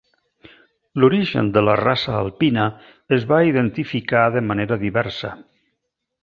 L'origen de la raça alpina es va identificar de manera diversa.